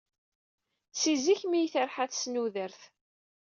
Si zik mi yi-terḥa tesnudert.